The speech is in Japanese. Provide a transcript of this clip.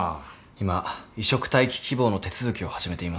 今移植待機希望の手続きを始めています。